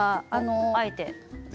あえて。